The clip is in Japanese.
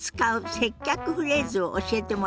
フレーズを教えてもらいましょ。